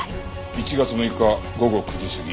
「１月６日午後９時過ぎ